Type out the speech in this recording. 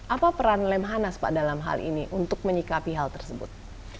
apa peran lemhanas pak dalam hal ini untuk menyikapi hal tersebut